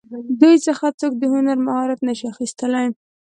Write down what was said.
دوی څخه څوک د هنر مهارت نشي اخیستلی.